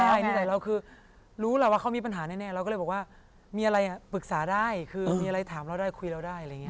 ใช่แต่เราคือรู้แหละว่าเขามีปัญหาแน่เราก็เลยบอกว่ามีอะไรปรึกษาได้คือมีอะไรถามเราได้คุยเราได้อะไรอย่างนี้